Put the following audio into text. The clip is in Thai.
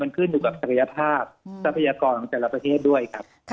ขึ้นอยู่กับศักยภาพทรัพยากรของแต่ละประเทศด้วยครับ